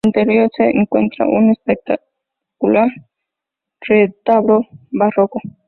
En el interior se encuentra un espectacular retablo barroco.